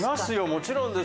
もちろんです。